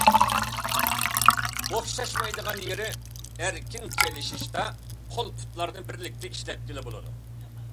ئوخشاشمايدىغان يېرى، ئەركىن چېلىشىشتا قول-پۇتلارنى بىرلىكتە ئىشلەتكىلى بولىدۇ.